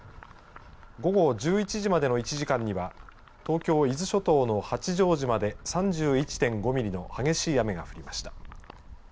午後１１時までの１時間には東京、伊豆諸島の八丈島で３１．５ミリの激しい雨が降りました。